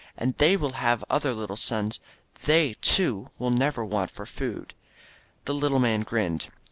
And they will have other little sons. They, too, will never want for food. ..." The little man grinned.